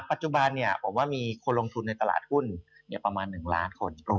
ปัจจุบันผมว่ามีคนลงทุนในตลาดหุ้นประมาณ๑ล้านคน